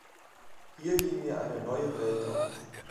Hier ging mir eine neue Welt auf.